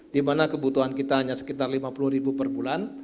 di mana kebutuhan kita hanya sekitar lima puluh ribu per bulan